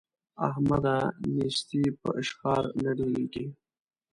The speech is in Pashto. احمده! نېستي په اشخار نه ډېرېږي.